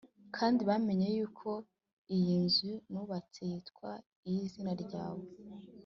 kandi bamenye yuko iyi nzu nubatse yitwa iy’izina ryawe